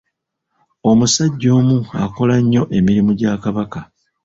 Omusajja omu akola nnyo emirimu gya Kabaka.